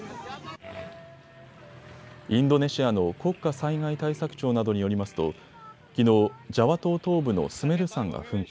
インドネシアの国家災害対策庁などによりますときのう、ジャワ島東部のスメル山が噴火。